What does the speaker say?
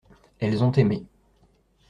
Elles ont aimé.